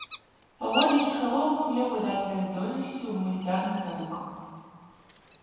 Паводле некралогу меў выдатныя здольнасці ў гуманітарных навуках.